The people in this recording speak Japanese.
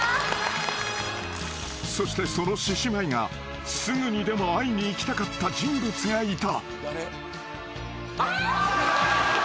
［そしてその獅子舞がすぐにでも会いに行きたかった人物がいた］